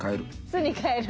巣に帰る？